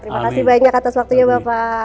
terima kasih banyak atas waktunya bapak